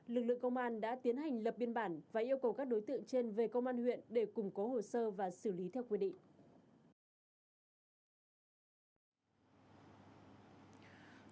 lực lượng công an đã tiến hành lập biên bản và yêu cầu các đối tượng trên về công an huyện để củng cố hồ sơ và xử lý theo quy định